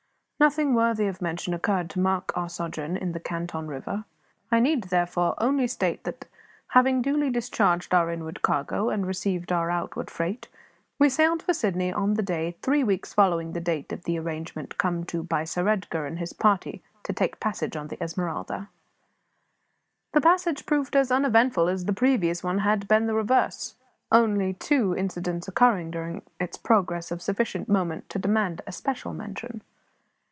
Nothing worthy of mention occurred to mark our sojourn in the Canton river; I need, therefore, only state that, having duly discharged our inward cargo, and received our outward freight, we sailed for Sydney on the day three weeks following the date of the arrangement come to by Sir Edgar and his party to take passage in the Esmeralda. The passage proved as uneventful as the previous one had been the reverse; only two incidents occurring during its progress of sufficient moment to demand especial mention.